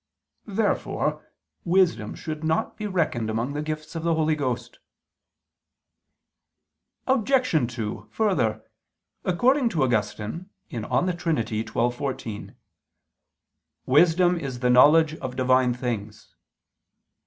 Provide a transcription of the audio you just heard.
Therefore wisdom should not be reckoned among the gifts of the Holy Ghost. Obj. 2: Further, according to Augustine (De Trin. xii, 14) "wisdom is the knowledge of Divine things."